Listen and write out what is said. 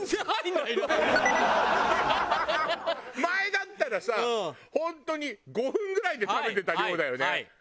前だったらさ本当に５分ぐらいで食べてた量だよね。